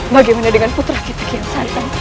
bagaimana dengan putra kita kian santan